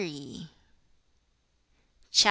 CHAP.